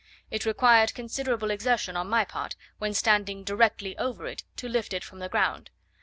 It required considerable exertion on my part, when standing directly over it, to lift it from the ground.